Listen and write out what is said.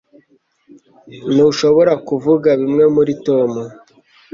Ntushobora kuvuga bimwe muri Tom